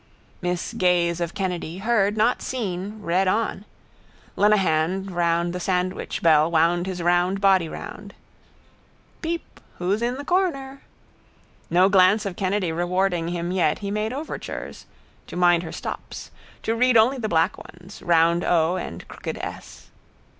Miss gaze of Kennedy, heard, not seen, read on. Lenehan round the sandwichbell wound his round body round. —Peep! Who's in the corner? No glance of Kennedy rewarding him he yet made overtures. To mind her stops. To read only the black ones: round o and crooked ess.